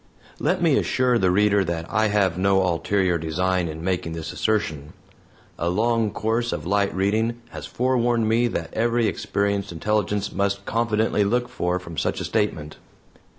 Let me assure the reader that I have no ulterior design in making this assertion. A long course of light reading has forewarned me what every experienced intelligence must confidently look for from such a statement.